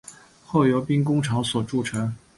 后由兵工厂所铸制。